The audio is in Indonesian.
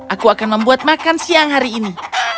aku akan membuat makan siang hari ini